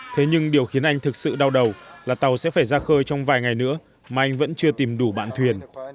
thế nhưng điều khiến anh thực sự đau đầu là tàu sẽ phải ra khơi trong vài ngày nữa mà anh vẫn chưa tìm đủ bạn thuyền